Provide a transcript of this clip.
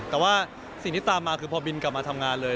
แต่ว่าสิ่งที่ตามมาคือพอบินกลับมาทำงานเลย